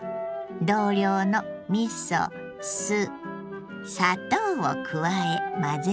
同量のみそ酢砂糖を加え混ぜるだけ。